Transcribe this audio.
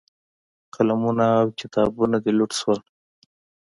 قلمونه او کتابونه دې لوټ شول.